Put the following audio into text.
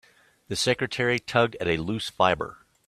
The secretary tugged at a loose fibre.